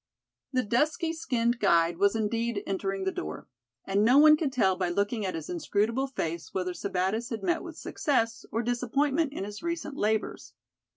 The dusky skinned guide was indeed entering the door. And no one could tell by looking at his inscrutable face whether Sebattis had met with success or disappointment in his recent labors.